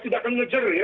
tidak akan mengejar ya